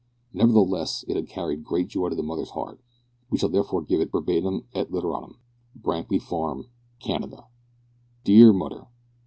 Nevertheless, it had carried great joy to the mother's heart. We shall therefore give it verbatim et literatim. Brankly Farm Kanada. "Deer Mutrer.